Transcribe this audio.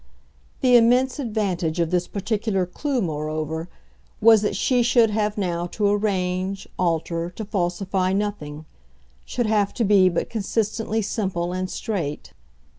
The immense advantage of this particular clue, moreover, was that she should have now to arrange, alter, to falsify nothing; should have to be but consistently simple and straight.